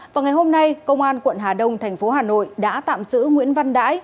vào ngày hôm nay công an quận hà đông thành phố hà nội đã tạm giữ nguyễn văn đãi